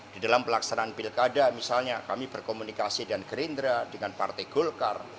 di dalam pelaksanaan pilkada misalnya kami berkomunikasi dengan gerindra dengan partai golkar